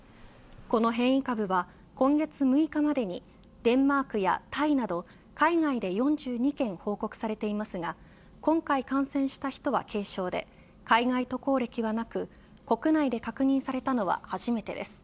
この変異株は、今月６日までにデンマークやタイなど海外で４２件報告されていますが今回感染した人は軽症で海外渡航歴はなく国内で確認されたのは初めてです。